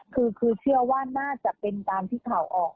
คือเชื่อว่าน่าจะเป็นตามที่ข่าวออก